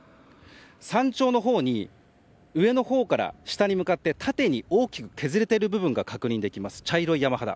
山頂のほうに上のほうから下に向かって縦に大きく削れている部分が確認できます、茶色い山肌。